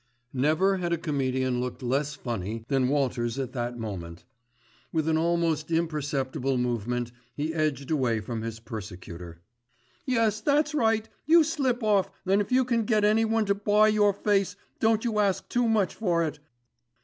Never had a comedian looked less funny than Walters at that moment. With an almost imperceptible movement he edged away from his persecutor. "Yes, that's right. You slip off, and if you can get anyone to buy your face, don't you ask too much for it.